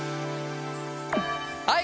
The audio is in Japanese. はい！